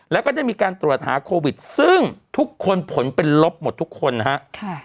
แล้วก็ได้มีการตรวจหาโควิดซึ่งทุกคนผลเป็นลบหมดทุกคนนะครับ